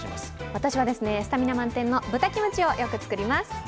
私はスタミナ満点の豚キムチをよく作ります。